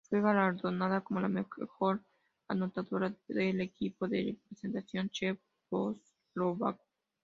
Fue galardonada como la mejor anotadora del equipo de representación checoslovaco.